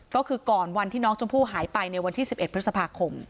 ก็คือก่อนวันที่น้องชมพู่หายไปในวันที่๑๑พฤษภาคม